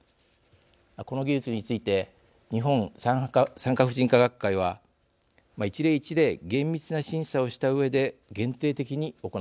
この技術について日本産科婦人科学会は一例一例厳密な審査をしたうえで限定的に行っています。